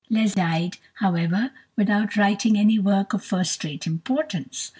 Cliffe Leslie died, however, without writing any work of first rate importance.